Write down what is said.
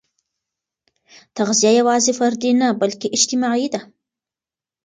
تغذیه یوازې فردي نه، بلکې اجتماعي ده.